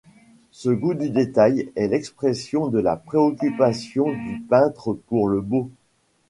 Ce gout du détail est l’expression de la préoccupation du peintre pour le beau.